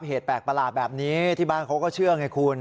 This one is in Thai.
เหตุแปลกประหลาดแบบนี้ที่บ้านเขาก็เชื่อไงคุณ